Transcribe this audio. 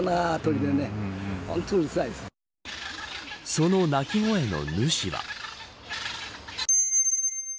その鳴き声の主は。